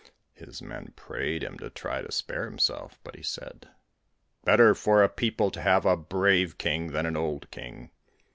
His men prayed him to try to spare himself, but he said: 'Better for a people to have a brave king than an old king!'